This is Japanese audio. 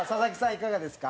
いかがですか？